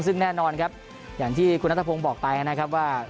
ซึ่งแน่นอนครับอย่างที่คุณนัทพงศ์บอกไปนะครับว่า